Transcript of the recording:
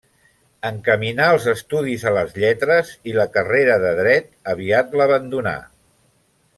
Encaminà els estudis a les lletres i la carrera de Dret aviat l'abandonà.